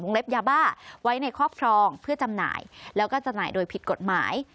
เล็บยาบ้าไว้ในครอบครองเพื่อจำหน่ายแล้วก็จำหน่ายโดยผิดกฎหมาย